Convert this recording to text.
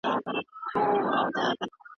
ام سلمې رضي الله عنها ولي لږې شپې اختیار کړې؟